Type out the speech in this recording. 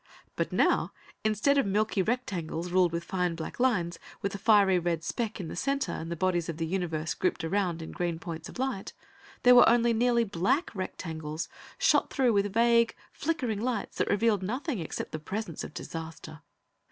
But now, instead of milky rectangles, ruled with fine black lines, with a fiery red speck in the center and the bodies of the universe grouped around in green points of light, there were only nearly blank rectangles, shot through with vague, flickering lights that revealed nothing except the presence of disaster.